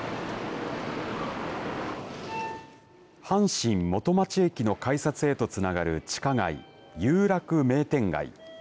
阪神、元町駅の改札へとつながる地下街有楽名店街。